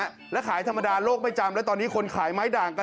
อ่านยากเหลือเกินนะครับเขาเต้นแบบนี้เพื่อที่จะขายไม้ด่างนะครับ